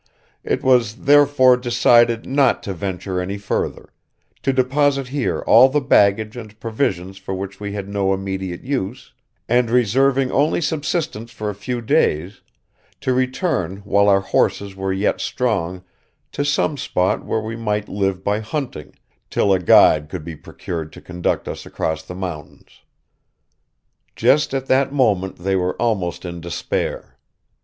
It was, therefore, decided not to venture any further; to deposit here all the baggage and provisions for which we had no immediate use; and, reserving only subsistence for a few days, to return while our horses were yet strong to some spot where we might live by hunting, till a guide could be procured to conduct us across the mountains." Just at that moment they were almost in despair.